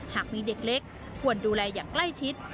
หากมีเด็กเล็กควรดูแลอย่างใกล้ชิด